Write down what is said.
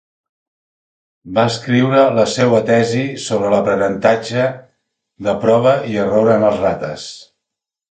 Va escriure la seua tesi sobre l'aprenentatge de prova i error en les rates.